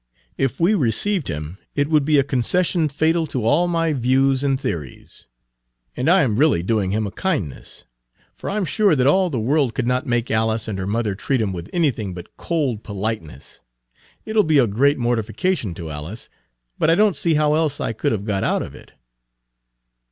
If we received him it would be a concession fatal to all my views and theories. And I am really doing him a kindness, for I'm sure that all the world could not make Alice and her mother treat him with anything but cold politeness. It'll be a great mortification to Alice, but I don't see how else I could have got out of it."